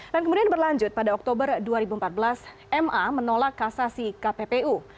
dan kemudian berlanjut pada oktober dua ribu empat belas ma menolak kasasi kppu